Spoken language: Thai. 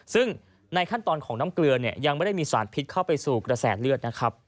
ซึ่งในขั้นตอนของน้ำเกลือเนี่ยยังไม่ได้มีสารพิษเข้าไปสู่กระแสเลือดนะครับ